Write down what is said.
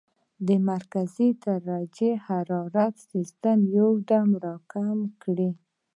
د مرکزي درجه حرارت سسټم يو دم را کم کړي -